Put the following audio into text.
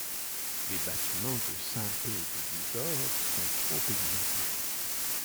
Les bâtiments de Saint-Pé-de-Bigorre sont trop exigus.